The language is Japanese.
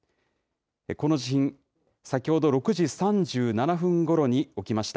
この地震、先ほど６時３７分ごろに起きました。